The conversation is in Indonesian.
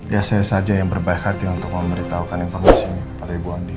ya saya saja yang berbaik hati untuk memberitahukan informasi ini kepada ibu andin